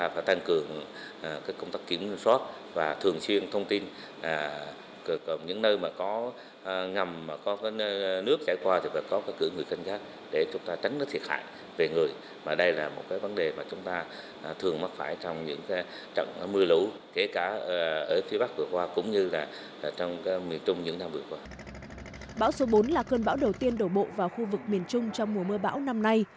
bão số bốn là cơn bão đầu tiên đổ bộ vào khu vực miền trung trong mùa mưa bão năm nay